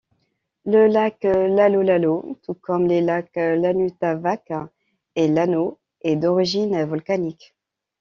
Le lac Lalolalo, tout comme les lacs Lanutavake et Lano, est d'origine volcanique.